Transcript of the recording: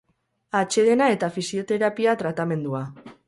Atsedena eta fisioterapia tratamendua.